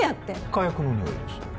火薬のにおいです